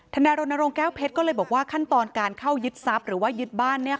นายรณรงค์แก้วเพชรก็เลยบอกว่าขั้นตอนการเข้ายึดทรัพย์หรือว่ายึดบ้าน